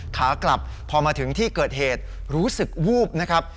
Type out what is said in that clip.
ขากลับพอมาถึงที่เกิดเหตุรู้สึกวูบนะครับ